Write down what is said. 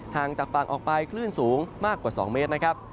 ห่างจากฝั่งออกไปคลื่นสูงมากกว่า๒เมตรนะครับ